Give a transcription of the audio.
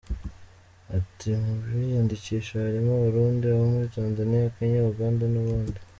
Ati “Mu biyandikishije harimo Abarundi, abo muri Tanzania, Kenya, Uganda n’u Buhinde.